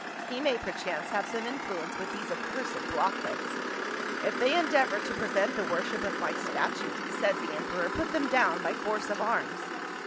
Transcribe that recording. He may perchance have some influence with these accursed blockheads. * If they endeavor to prevent the worship of my statue,' says the emperor, * put them down by force of arms.'